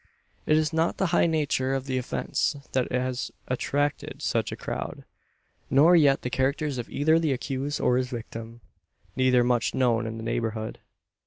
It is not the high nature of the offence that has attracted such a crowd, nor yet the characters of either the accused or his victim neither much known in the neighbourhood.